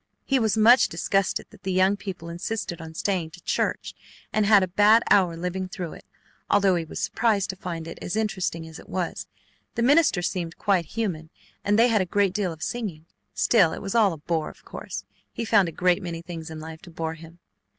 He was much disgusted that the young people insisted on staying to church and had a bad hour living through it, although he was surprised to find it as interesting as it was. The minister seemed quite human and they had a great deal of singing. Still it was all a bore, of course. He found a great many things in life to bore him.